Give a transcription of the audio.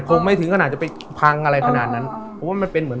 คงไม่ถึงขนาดจะไปพังอะไรขนาดนั้นเพราะว่ามันเป็นเหมือน